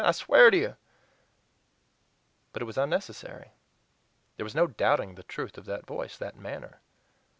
I swear to you " But it was unnecessary. There was no doubting the truth of that voice that manner.